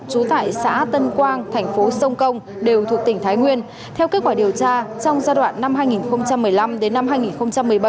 trú tại xã tân quang thành phố sông công đều thuộc tỉnh thái nguyên theo kết quả điều tra trong giai đoạn năm hai nghìn một mươi năm đến năm hai nghìn một mươi bảy